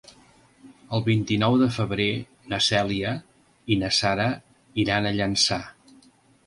El vint-i-nou de febrer na Cèlia i na Sara iran a Llançà.